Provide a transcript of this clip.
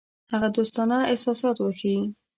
هغه دوستانه احساسات وښيي.